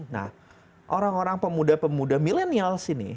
nah orang orang pemuda pemuda millenials ini